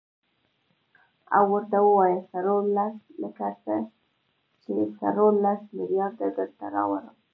او ورته ووايه څورلس لکه څه ،چې څورلس ملېارده درته راوړم.